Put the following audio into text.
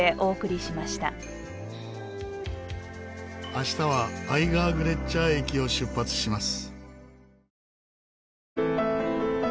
明日はアイガーグレッチャー駅を出発します。